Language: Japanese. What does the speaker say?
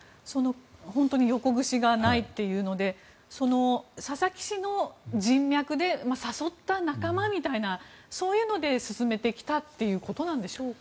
本当に横ぐしがないというので佐々木氏の人脈で誘った仲間みたいなそういうので進めてきたということでしょうか。